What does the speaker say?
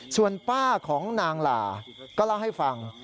ส่วนป้าของนางหล่าก็เล่าให้ฟัง